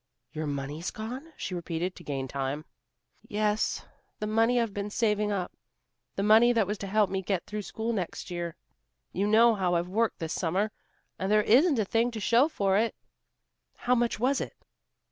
"Your money's gone?" she repeated, to gain time. "Yes, the money I've been saving up. The money that was to help me get through school next year. You know how I've worked this summer. And there isn't a thing to show for it." "How much was it?"